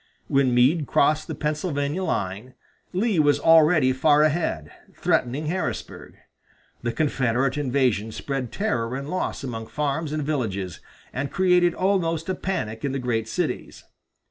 When Meade crossed the Pennsylvania line, Lee was already far ahead, threatening Harrisburg. The Confederate invasion spread terror and loss among farms and villages, and created almost a panic in the great cities.